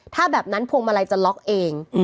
ถ้าแบบนั้นพวงมาลัยจะล็อกเอง